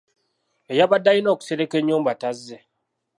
Eyabadde alina okusereka ennyumba tazze.